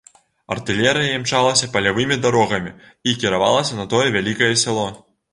Артылерыя імчалася палявымі дарогамі і кіравалася на тое вялікае сяло.